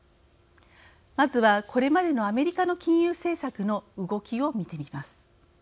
まずは、これまでのアメリカの金融政策の動きを見てみます。